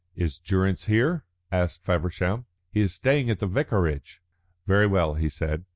"Is Durrance here?" asked Feversham. "He is staying at the vicarage." "Very well," he said.